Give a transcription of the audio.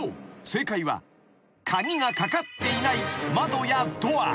正解は鍵がかかっていない窓やドア］